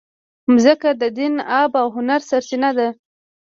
مځکه د دین، ادب او هنر سرچینه ده.